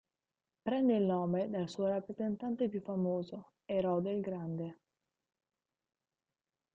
Prende il nome dal suo rappresentante più famoso, Erode il Grande.